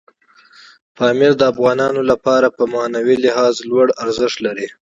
پامیر د افغانانو لپاره په معنوي لحاظ لوی ارزښت لري.